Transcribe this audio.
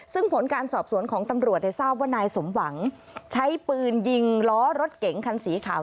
ซึ่งผลการสอบสวนของตำรวจทราบว่านายสมหวังใช้ปืนยิงล้อรถเก๋งคันสีขาว